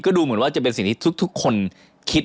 ดูเหมือนว่าจะเป็นสิ่งที่ทุกคนคิด